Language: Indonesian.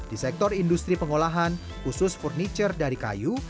di sektor industri pengolahan khusus furniture dari kayu